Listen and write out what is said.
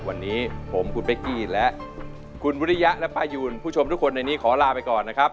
วันนี้ผมคุณเป๊กกี้และคุณวิริยะและป้ายูนผู้ชมทุกคนในนี้ขอลาไปก่อนนะครับ